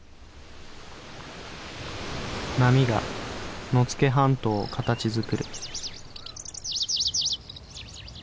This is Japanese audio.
波が野付半島を形づくる。